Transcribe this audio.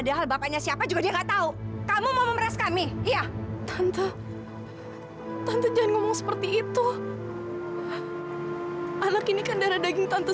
dia bisa menghentikan posisi ayah yang sudah meninggal itu loh